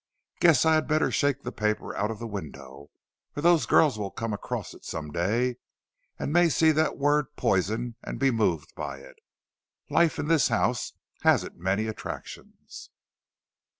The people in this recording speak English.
Guess I had better shake the paper out of the window, or those girls will come across it some day, and may see that word Poison and be moved by it. Life in this house hasn't many attractions."